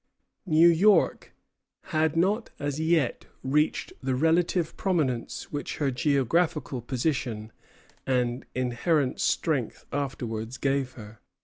New York had not as yet reached the relative prominence which her geographical position and inherent strength afterwards gave her.